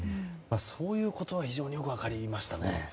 そういうことは非常によく分かりましたね。